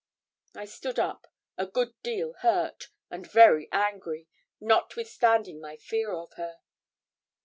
I stood up, a good deal hurt, and very angry, notwithstanding my fear of her.